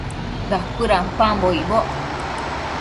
Dacuëdampambo icboc